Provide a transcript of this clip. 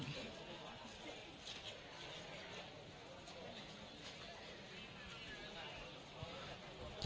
เพื่อที่จะป้องกันฝุ่นควันที่อาจจะเกิดขึ้นในตรงจุดเกิดเหตุเนี้ยนะครับ